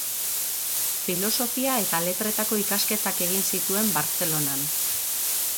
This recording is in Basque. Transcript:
Filosofia eta letretako ikasketak egin zituen, Bartzelonan.